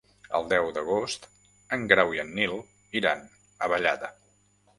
El deu d'agost en Grau i en Nil iran a Vallada.